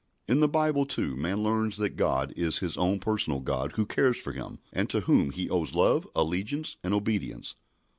In the Bible, too, man learns that God is his own personal God who cares for him, and to whom he owes love, allegiance, and obedience.